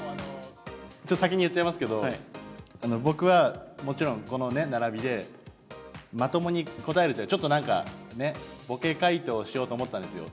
ちょっと先に言っちゃいますけど、僕はもちろんこの並びで、まともに答えるというのはちょっとなんかね、ボケ解答しようと思ったんですよ。